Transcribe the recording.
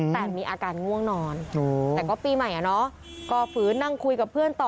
แต่มีอาการง่วงนอนแต่ก็ปีใหม่ก็ฝืนนั่งคุยกับเพื่อนต่อ